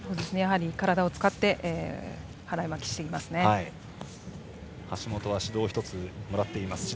体を使って払い巻きをしていますね。